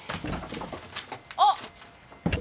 あっ！